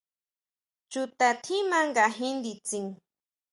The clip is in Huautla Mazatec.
¿Chuta tjiman ngajin nditsin?